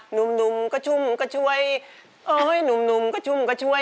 หนุ่มกะชุมกะช่วยหนุ่มกะชุมกะช่วย